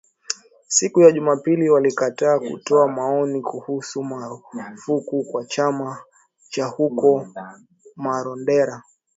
siku ya Jumapili walikataa kutoa maoni kuhusu marufuku kwa chama cha huko Marondera